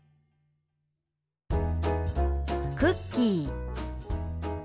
「クッキー」。